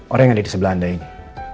orang yang ada di sebelah anda ini